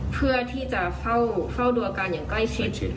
เพื่อที่จะเฝ้าดูอาการอย่างใกล้ชิด